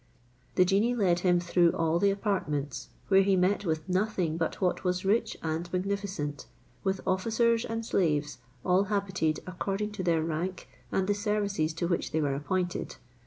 The genie led him through all the apartments, where he met with nothing but what was rich and magnificent, with officers and slaves, all habited according to their rank and the services to which they were appointed.